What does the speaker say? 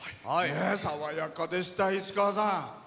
爽やかでした、市川さん。